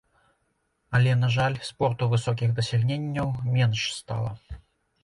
Але, на жаль, спорту высокіх дасягненняў менш стала.